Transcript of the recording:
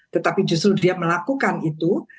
tetapi justru dia melakukan itu